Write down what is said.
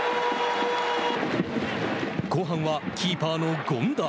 後半は、キーパーの権田。